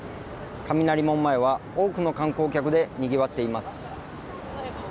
雷門前は多くの観光客でにぎわっています。